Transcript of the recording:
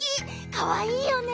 かわいいよね。